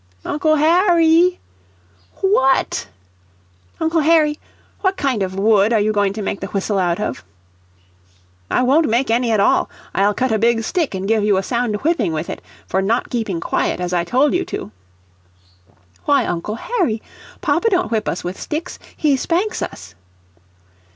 "Uncle Harry!" "WHAT!" "Uncle Harry, what kind of wood are you going to make the whistle out of?" "I won't make any at all I'll cut a big stick and give you a sound whipping with it, for not keeping quiet, as I told you to."' "Why, Uncle Harry, papa don't whip us with sticks he spanks us."